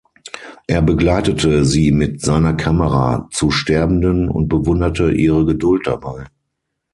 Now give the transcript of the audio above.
Er begleitete sie mit seiner Kamera zu Sterbenden und bewunderte ihre Geduld dabei.